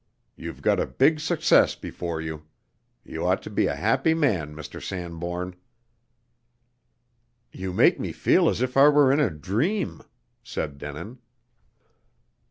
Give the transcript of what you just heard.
You've got a big success before you. You ought to be a happy man, Mr. Sanbourne." "You make me feel as if I were in a dream," said Denin.